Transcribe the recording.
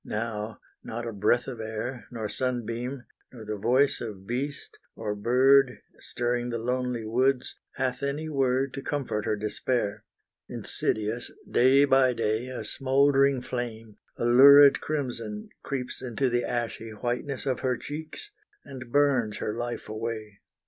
Now, not a breath of air, Nor sunbeam, nor the voice of beast or bird, Stirring the lonely woods, hath any word To comfort her despair. Insidious, day by day A smouldering flame, a lurid crimson creeps Into the ashy whiteness of her cheeks, And burns her life away.